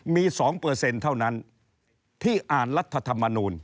มี๒เท่านั้นที่อ่านรัฐธรรมนูล